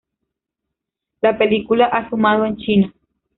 La película ha sumado en China.